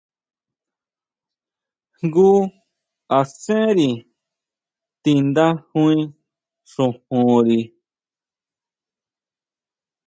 Jngu asenri tindajui xojonri.